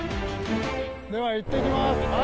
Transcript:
ではいってきます。